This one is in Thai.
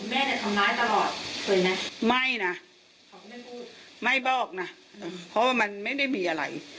ไม่น่ะของคุณแม่พูดไม่บอกน่ะเพราะว่ามันไม่ไม่มีอะไร